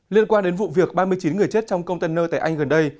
liên quan đến vụ việc ba mươi chín người chết trong công tân nơi tại anh gần đây